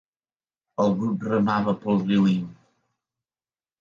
El grup remava pel riu Inn.